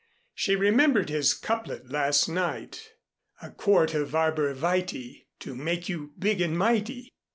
She remembered his couplet last night: A quart of arbor vitæ To make you big and mighty.